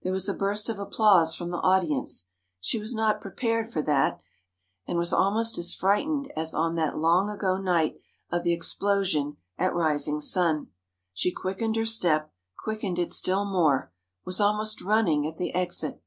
There was a burst of applause from the audience—she was not prepared for that, and was almost as frightened as on that long ago night of the explosion at Risingsun. She quickened her step, quickened it still more—was almost running, at the exit.